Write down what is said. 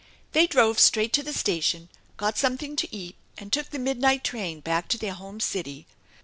They drove straight to the station, got something to eat, and took the midnight train back to their home city.